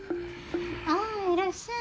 あいらっしゃい。